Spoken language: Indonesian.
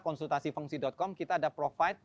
konsultasifungsi com kita ada provide